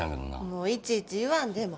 もういちいち言わんでええ。